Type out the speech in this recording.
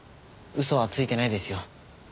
嘘はついてないですよ。